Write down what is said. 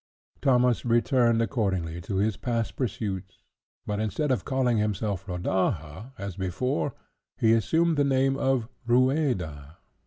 Thomas returned accordingly to his past pursuits; but, instead of calling himself Rodaja, as before, he assumed the name of Rueda.